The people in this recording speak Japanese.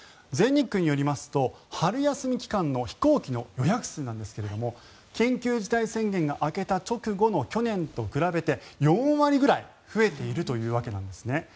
全日空によりますと春休み期間の飛行機の予約数なんですが緊急事態宣言が明けた直後の去年と比べて４割ぐらい増えているというわけなんですね。